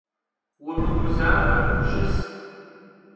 Vumıguzaue, şıs!